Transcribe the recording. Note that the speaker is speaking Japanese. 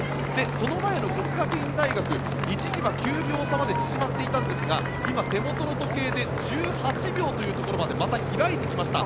その前の國學院大學一時は９秒差まで縮まっていましたが今は手元の時計で１８秒までまた開いてきました。